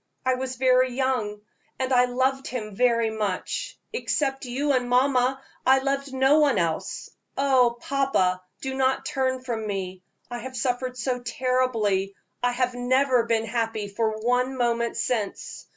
I was very young, and I loved him very much; except you and mamma, I loved no one else. Ah! papa, do not turn from me; I have suffered so terribly I have never been happy for one moment since.